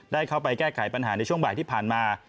ได้เข้าไปแก้ไขปัญหาในช่วงบ่ายที่ผ่านมา